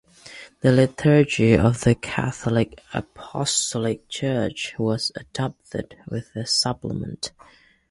The liturgy of the Catholic Apostolic Church was adopted, with a Supplement.